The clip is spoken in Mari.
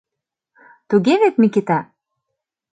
Туге вет, Микита?